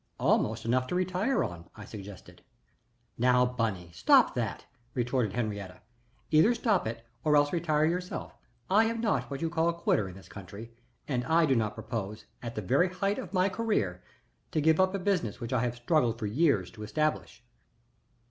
"Almost enough to retire on," I suggested. "Now, Bunny, stop that!" retorted Henriette. "Either stop it or else retire yourself. I am not what they call a quitter in this country, and I do not propose at the very height of my career to give up a business which I have struggled for years to establish."